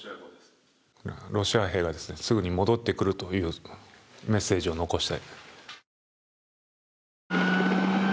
ロシア兵がすぐに戻ってくるというメッセージを残して。